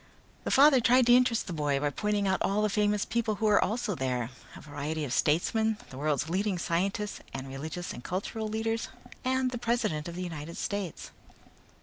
The father tried to interest the boy by pointing out all the famous people who were also there: a variety of statesmen the world's leading scientists and religious and cultural leaders, the president of the United States.